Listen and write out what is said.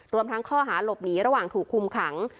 รวมทั้งข้อหาหลบหนีระหว่างถูกคุมขัง